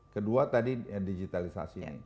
kedua tadi digitalisasi